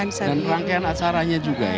dan rangkaian acaranya juga ya